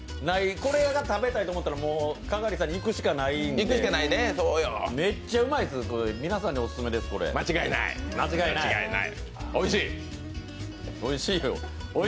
これが食べたいと思ったら篝さんに行くしかないんで、めっちゃうまいです、皆さんにお勧めです、間違いない。